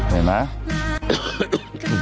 เห็นมั้ย